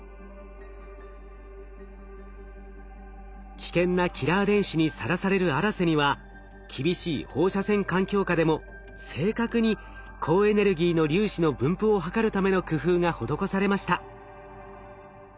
危険なキラー電子にさらされる「あらせ」には厳しい放射線環境下でも正確に高エネルギーの粒子の分布を測るための工夫が施されました。